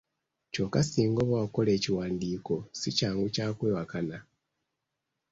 Kyokka singa oba wakola ekiwandiiko si kyangu kya kwewakana.